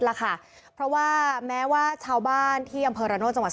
ล่ะค่ะเพราะว่าแม้ว่าชาวบ้านที่อำเภอระโนธจังหวัด